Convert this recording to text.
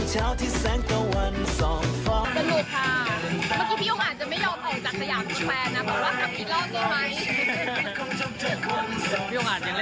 พี่หวงอ่านจะเล่นด้วย